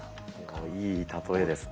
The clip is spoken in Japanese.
おいい例えですね。